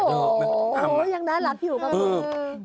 โอ้โฮยังน่ารับอยู่กับคุณ